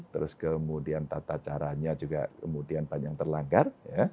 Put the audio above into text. terus kemudian tata caranya juga kemudian banyak terlanggar